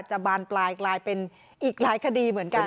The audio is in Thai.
บานปลายกลายเป็นอีกหลายคดีเหมือนกัน